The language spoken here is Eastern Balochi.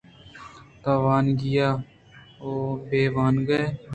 تو وانگی یے وانگ ءَ ئے ۔